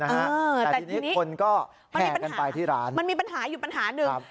แต่ทีนี้คนก็ไม่ได้กันไปที่ร้านมันมีปัญหาอยู่ปัญหาหนึ่ง